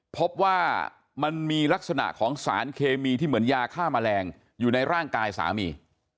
พบว่ามันมีลักษณะของสารเคมีที่เหมือนยาฆ่าแมลงอยู่ในร่างกายสามี